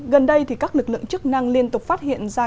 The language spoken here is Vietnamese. gần đây thì các lực lượng chức năng liên tục phát hiện ra